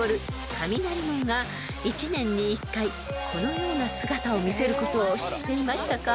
雷門が一年に一回このような姿を見せることを知っていましたか？］